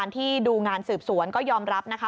ที่ดูงานสืบสวนก็ยอมรับนะคะ